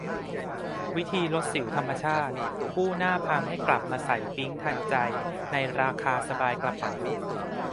วิธีลดสิวธรรมชาติ กู้หน้าพังให้กลับมาใสปิ๊งทันใจ ในราคาสบายกระเป๋า